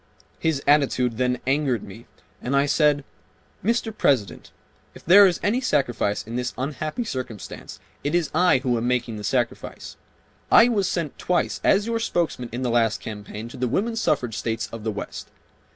His attitude then angered me and I said, "Mr. President, if there is any sacrifice in this unhappy circumstance, it is I who am making the sacrifice. I was sent twice as your spokesman in the last campaign to the Woman Suffrage States of the West.